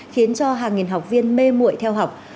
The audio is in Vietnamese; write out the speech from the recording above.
khiến cho hàng nghìn học viên mê mụi theo học